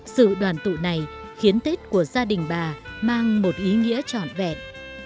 sự đoàn tụ này khiến tết của gia đình bà mang một ý nghĩa trọn vẹn